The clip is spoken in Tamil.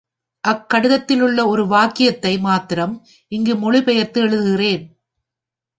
அக் கடிதத்திலுள்ள ஒரு வாக்கியத்தை மாத்திரம் இங்கு மொழிபெயர்த்து எழுதுகிறேன்.